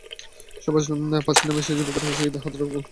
সুভাষ পাসি নামের সেই যুবকের স্মৃতি হাতড়ে কুঁকড়ে যান বাবা মনুরাম পাসি।